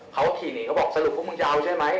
เขาขี่หนีเขาบอกสรุปพวกมึงยาวใช่ไหม